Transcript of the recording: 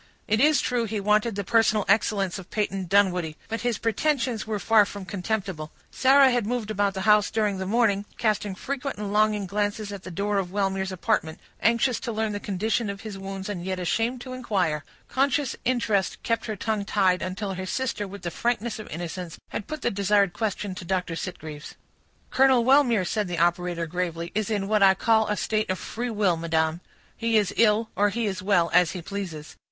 It is true, he wanted the personal excellence of Peyton Dunwoodie, but his pretensions were far from contemptible. Sarah had moved about the house during the morning, casting frequent and longing glances at the door of Wellmere's apartment, anxious to learn the condition of his wounds, and yet ashamed to inquire; conscious interest kept her tongue tied, until her sister, with the frankness of innocence, had put the desired question to Dr. Sitgreaves. "Colonel Wellmere," said the operator, gravely, "is in what I call a state of free will, madam. He is ill, or he is well, as he pleases.